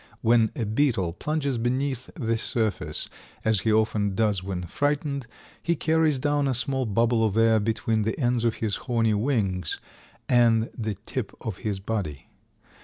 When a beetle plunges beneath the surface, as he often does when frightened, he carries down a small bubble of air between the ends of his horny wings and the tip of his body.